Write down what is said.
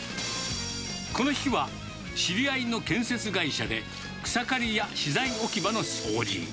この日は知り合いの建設会社で、草刈りや資材置き場の掃除。